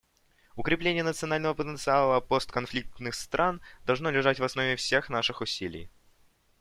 Укрепление национального потенциала постконфликтных стран должно лежать в основе всех наших усилий.